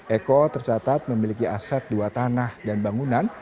eko tercatat memiliki aset dua tanah dan bangunan